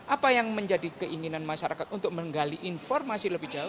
apa yang menjadi keinginan masyarakat untuk menggali informasi lebih jauh